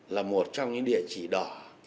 là một trong những địa chỉ đỏ